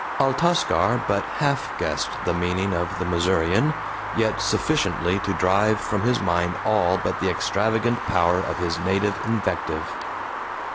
Altascar but half guessed the meaning of the Missourian, yet sufficiently to drive from his mind all but the extravagant power of his native invective.